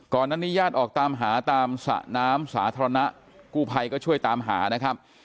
นั้นนี้ญาติออกตามหาตามสระน้ำสาธารณะกู้ภัยก็ช่วยตามหานะครับ